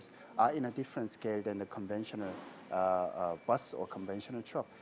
dan berapa lama mereka akan berjalan sebelum anda memasang baterai